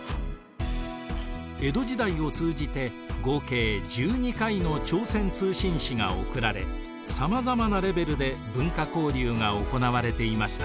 江戸時代を通じて合計１２回の朝鮮通信使が送られさまざまなレベルで文化交流がおこなわれていました。